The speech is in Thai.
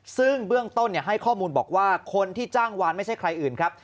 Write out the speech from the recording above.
ซึ่งเบื้องต้นให้ข้อมูลบอกว่าคนที่จ้างวานไม่ใช่ใครอื่นครับ